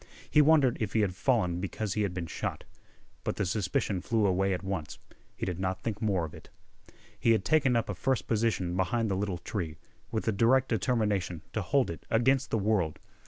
He wondered if he had fallen because he had been shot. But the suspicion flew away at once. He did not think more of it. He had taken up a first position behind the little tree, with a direct determination to hold it against the world.